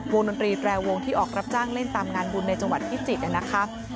ดนตรีแตรวงที่ออกรับจ้างเล่นตามงานบุญในจังหวัดพิจิตรนะคะ